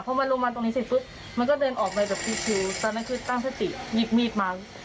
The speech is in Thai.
เพราะมันลงมาตรงนี้สิมันก็เดินออกไปตั้งสติหยิบมีดมา